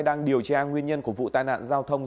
đang điều tra nguyên nhân của vụ tai nạn giao thông